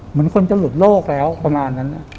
เหมือนคนจะหลุดโลกแล้วประมาณนั้น